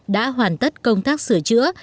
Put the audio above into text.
đã hoàn tất công tác sửa chữa